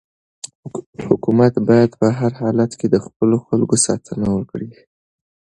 حکومت باید په هر حالت کې د خپلو خلکو ساتنه وکړي.